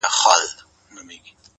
چي دغه وينه لږه وچه سي باران يې يوسي!